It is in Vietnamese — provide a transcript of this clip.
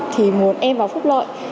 thì muốn em vào phúc lợi